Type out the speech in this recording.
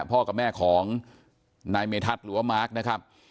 พ่อกับแม่ของนายเมธัศน์หรือว่ามาร์คนะครับ